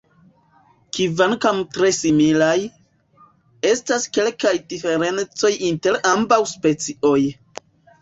Kvankam tre similaj, estas kelkaj diferencoj inter ambaŭ specioj.